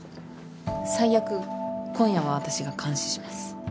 最悪今夜は私が監視します。